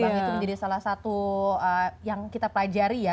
yang itu menjadi salah satu yang kita pelajari ya